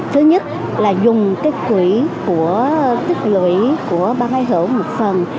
thứ nhất là dùng cái quỷ của tích lũy của bàn ái hữu một phần